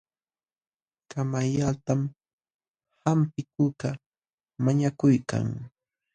Kamayllatam hampikuqkaq mañakuykan.